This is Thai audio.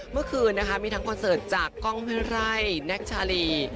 เมื่อคืนนะคะมีทั้งคอนเสิร์ตจากกล้องห้วยไร่แน็กชาลี